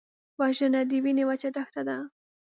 وژنه د وینې وچه دښته ده